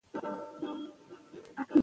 افغانستان د تېلو پېرودونکو سیمه وه.